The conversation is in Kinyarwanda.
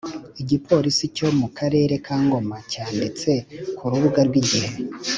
Igipolisi cyo mu karere kangoma cyanditse ku rubuga rwa igihe